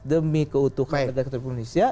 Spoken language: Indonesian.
demi keutuhan kepala ketua pemerintah indonesia